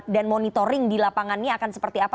dan monitoring di lapangannya akan seperti apa